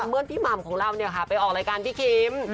เมื่อพี่หม่ำของเราเนี่ยค่ะไปออกรายการพี่ครีม